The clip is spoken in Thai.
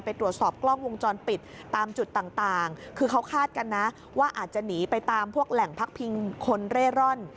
ไปตรวจสอบกล้องวงจรปิดตามจุดต่างคือเขาคาดกันนะว่าอาจจะหนีไปตามพวกแหล่งพักพิงคนเร่ร่อน